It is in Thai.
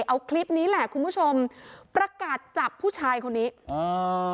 เอาคลิปนี้แหละคุณผู้ชมประกาศจับผู้ชายคนนี้อ่า